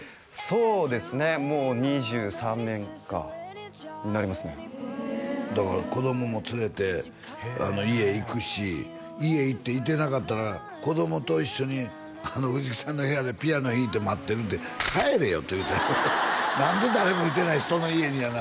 そうですねもう２３年かになりますねだから子供も連れて家へ行くし家行っていてなかったら子供と一緒に藤木さんの部屋でピアノ弾いて待ってるって帰れよって言うたよ何で誰もいてない人の家にやな